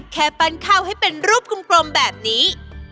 แค่ปั้นข้าวให้เป็นรูปกลมแบบนี้